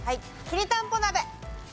きりたんぽ鍋。